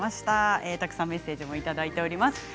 たくさんメッセージをいただいております。